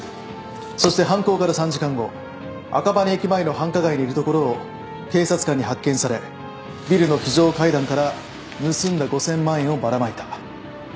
そして犯行から３時間後赤羽駅前の繁華街にいるところを警察官に発見されビルの非常階段から盗んだ５，０００万円をばらまいた。